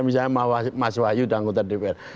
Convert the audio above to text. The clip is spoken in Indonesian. misalnya mas wahyu dan anggota dpr